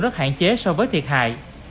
rất hạn chế so với thiệt hại